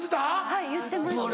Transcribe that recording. はい言ってました。